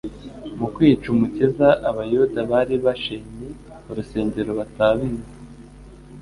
Mu kwica Umukiza, Abayuda bari bashenye urusengero batabizi.